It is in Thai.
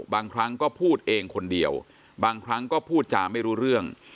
บางครั้งก็พูดเองคนเดียวบางครั้งก็พูดจาไม่รู้เรื่อง